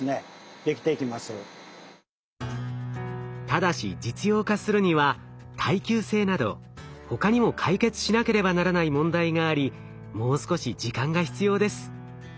ただし実用化するには耐久性など他にも解決しなければならない問題がありもう少し時間が必要です。